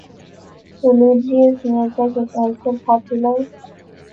Religious music is also popular.